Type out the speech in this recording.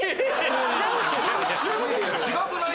違くない？